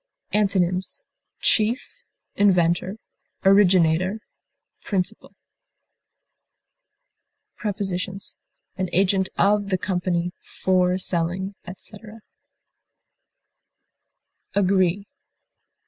Antonyms: chief, inventor, originator, principal. Prepositions: An agent of the company for selling, etc. AGREE.